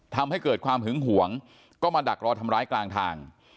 ทำให้เกิดความหึงหวงก็มาดักรอทำร้ายกลางทาง